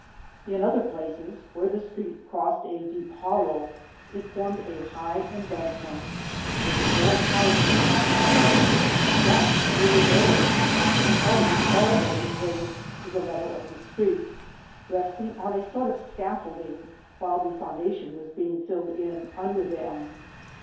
In other places, where the street crossed a deep hollow, it formed a high embankment, with a row of houses at the foot of it, some nearly buried, and others already raised to the level of the street, resting on a sort of scaffolding, while, the foundation was being filled in under them.